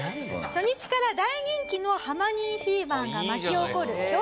初日から大人気のハマ兄フィーバーが巻き起こる教室内。